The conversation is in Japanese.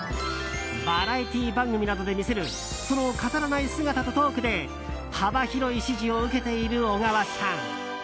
バラエティー番組などで見せるその飾らない姿とトークで幅広い支持を受けている小川さん。